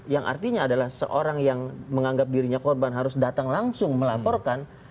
yang artinya adalah seorang yang menganggap dirinya korban harus datang langsung melaporkan